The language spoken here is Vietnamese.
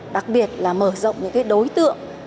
đặc biệt là mở rộng những cái đối tượng